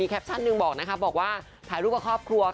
แคปชัดนึงแล้วก็ถ่ายรูปกับครอบครัว